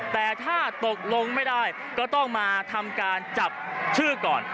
แต่ถ้าตกลงไม่ได้ก็ต้องมาทำการจับชื่อก่อน